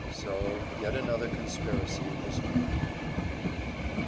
So yet another conspiracy was foiled!